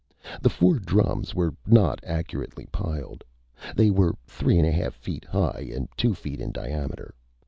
The four drums were not accurately piled. They were three and a half feet high and two feet in diameter.